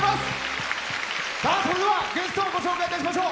それではゲストをご紹介いたしましょう。